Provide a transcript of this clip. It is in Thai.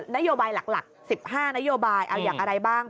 นโยบายหลัก๑๕นโยบายเอาอย่างอะไรบ้าง